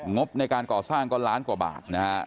งบในการก่อสร้างก็ล้านกว่าบาทนะฮะ